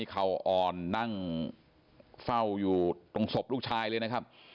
เขาอ่อนนั่งเฝ้าอยู่ตรงศพลูกชายเลยนะครับ